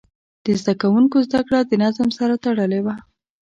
د زده کوونکو زده کړه د نظم سره تړلې وه.